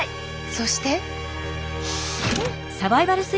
そして。